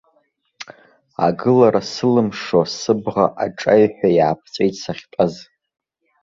Агылара сылымшо, сыбӷа аҿаҩҳәа иааԥҵәеит сахьтәаз.